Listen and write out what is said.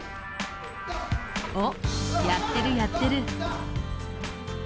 おっやってるやってる。